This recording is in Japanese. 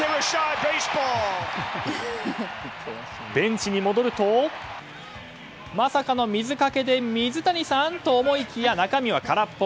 ベンチに戻るとまさかの水かけで水谷サン？と思いきや中身は空っぽ。